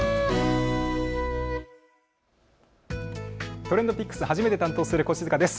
ＴｒｅｎｄＰｉｃｋｓ、初めて担当する越塚です。